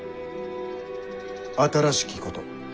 新しきこと？